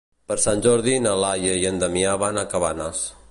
Per Sant Jordi na Laia i en Damià van a Cabanes.